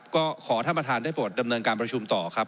ก็ขอท่านประธานได้โปรดดำเนินการประชุมต่อครับ